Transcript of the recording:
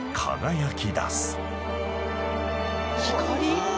光？